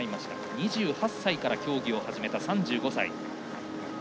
２８歳から競技を始めた３５歳。